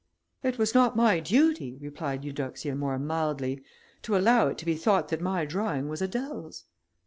"It was not my duty," replied Eudoxia, more mildly, "to allow it to be thought that my drawing was Adèle's."